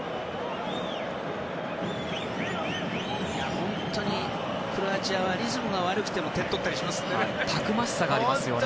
本当にクロアチアはリズムが悪くても点取ったりしますのでね。